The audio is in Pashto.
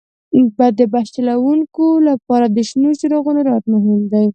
د بس چلوونکي لپاره د شنو څراغونو رعایت مهم دی.